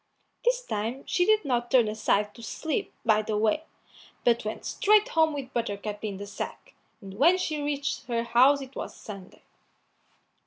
This time she did not turn aside to sleep by the way, but went straight home with Buttercup in the sack, and when she reached her house it was Sunday.